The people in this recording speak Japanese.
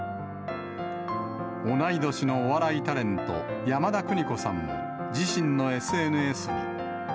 同い年のお笑いタレント、山田邦子さんも、自身のＳＮＳに。